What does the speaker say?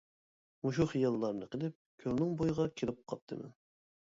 مۇشۇ خىياللارنى قىلىپ، كۆلنىڭ بويىغا كېلىپ قاپتىمەن.